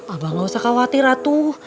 abah gak usah khawatir ratu